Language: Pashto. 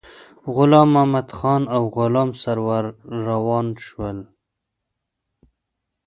غلام محمدخان او غلام سرور روان شول.